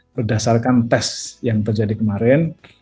berdasarkan tes yang terjadi kemarin